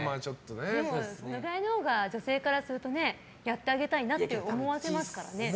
それぐらいのほうが女性からするとやってあげたいなと思わせますからね。